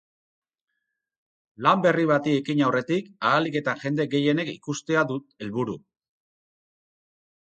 Lan berri bati ekin aurretik, ahalik eta jende gehienek ikustea dut helburu.